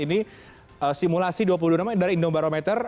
ini simulasi dua puluh enam dari indomarometer